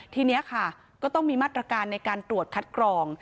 ทีนี้ค่ะก็ต้องมีมาตรการในการตรวจคัดกรอง